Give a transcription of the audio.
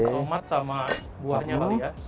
tomat sama buahnya kali ya